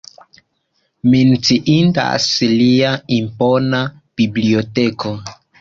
Menciindas lia impona biblioteko.